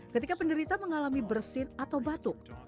ketika penderita mengalami bersin atau batuk